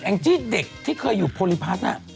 งจี้เด็กที่เคยอยู่พลพัฒน์